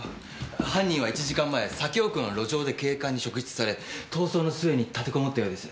犯人は１時間前左京区の路上で警官に職質され逃走の末に立てこもったようです。